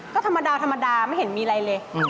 ก็ธรรมดาไม่เห็นมีอะไรเลย